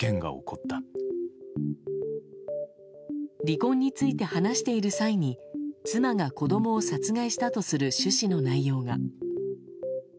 離婚について話している際に妻が子供を殺害したとする趣旨の内容が。